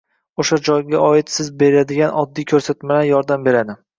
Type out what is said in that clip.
o‘sha joyga oid siz beradigan oddiy ko‘rsatmalar yordam beradi.